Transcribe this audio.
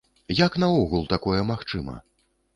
Як наогул такое магчыма?